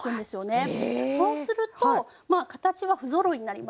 そうするとまあ形は不ぞろいになりますね。